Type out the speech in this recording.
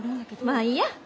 まあいいや。